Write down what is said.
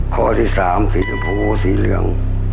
ข้อที่๓สีชมพูสีเหลือง